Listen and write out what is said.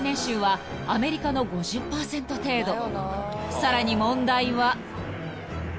［さらに問題は］